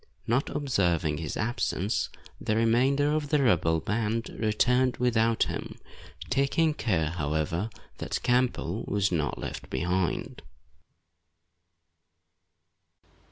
Not observing his absence, the remainder of the rebel band returned without him, taking care, however, that Campbell was not left behind.